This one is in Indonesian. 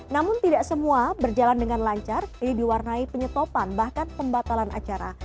namun tidak semua berjalan dengan lancar ini diwarnai penyetopan bahkan pembatalan acara